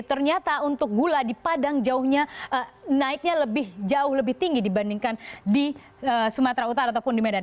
ternyata untuk gula di padang jauhnya naiknya lebih jauh lebih tinggi dibandingkan di sumatera utara ataupun di medan